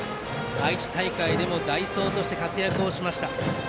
愛知大会でも代走として活躍しました。